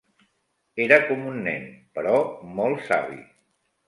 Era com un nen, però molt savi.